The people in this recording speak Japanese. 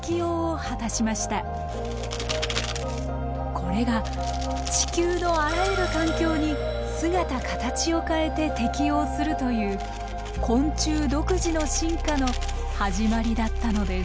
これが地球のあらゆる環境に姿形を変えて適応するという昆虫独自の進化の始まりだったのです。